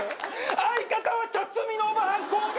相方は茶摘みのおばはんコンビ名は？